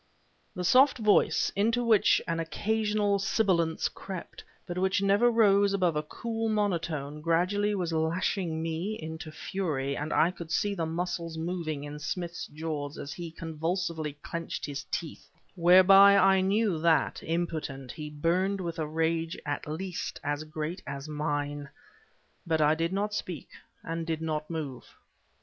The soft voice, into which an occasional sibilance crept, but which never rose above a cool monotone, gradually was lashing me into fury, and I could see the muscles moving in Smith's jaws as he convulsively clenched his teeth; whereby I knew that, impotent, he burned with a rage at least as great as mine. But I did not speak, and did not move.